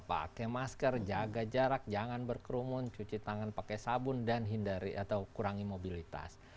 pakai masker jaga jarak jangan berkerumun cuci tangan pakai sabun dan hindari atau kurangi mobilitas